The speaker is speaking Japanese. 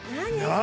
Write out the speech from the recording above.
何？